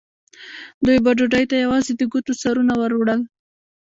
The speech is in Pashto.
دوی به ډوډۍ ته یوازې د ګوتو سرونه وروړل.